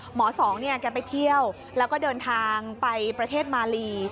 หมอสองกันไปเที่ยวแล้วก็เดินทางไปประเทศมารี